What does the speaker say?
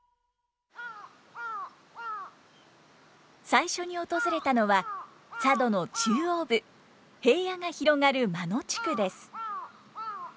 最初に訪れたのは佐渡の中央部平野が広がる真野地区です。